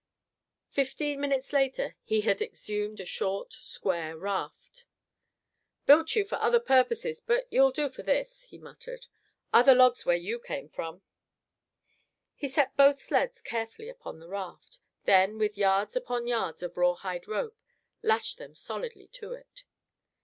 Fifteen minutes later he had exhumed a short, square raft. "Built you for other purposes, but you'll do for this," he muttered. "Other logs where you came from." He set both sleds carefully upon the raft; then with yards upon yards of rawhide rope, lashed them solidly to it.